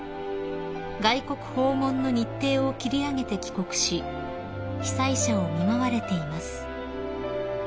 ［外国訪問の日程を切り上げて帰国し被災者を見舞われています］